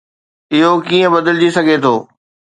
اهو ڪيئن بدلجي سگهي ٿو؟